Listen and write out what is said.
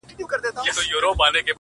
رسېدلى وو يو دم بلي دنيا ته-